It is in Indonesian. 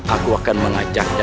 aku akan mengajaknya